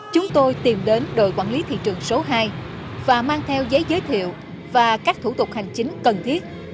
chúng tôi tìm đến đội quản lý thị trường số hai và mang theo giấy giới thiệu và các thủ tục hành chính cần thiết